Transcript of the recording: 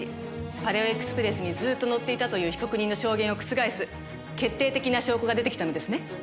パレオエクスプレスにずっと乗っていたという被告人の証言を覆す決定的な証拠が出てきたのですね？